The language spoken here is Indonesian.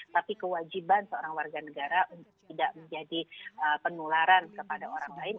tapi kewajiban seorang warga negara untuk tidak menjadi penularan kepada orang lain